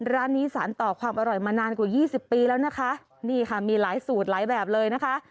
ร้านนี้สารต่อความอร่อยมานานกว่ายี่สิบปีแล้วนะคะนี่ค่ะมีหลายสูตรหลายแบบเลยนะคะ